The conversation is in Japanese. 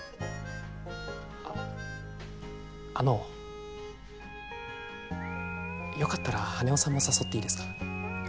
あのよかったら羽男さんも誘っていいですか？